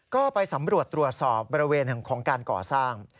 ก็ไปสำรวจตรวจสอบบริเวณของการก่อสร้าง